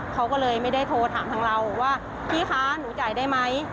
เขาก็เลยไม่ได้โทรถามทางเราว่าพี่คะหนูจ่ายได้ไหม